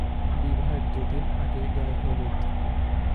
বিবাহের দুদিন আগে গায়ে হলুদ।